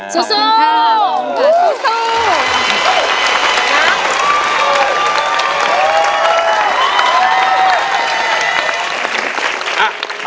ขอบคุณค่ะสู้